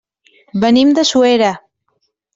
Venim de Suera.